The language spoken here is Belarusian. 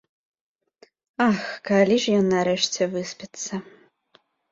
Ах, калі ж ён нарэшце выспіцца?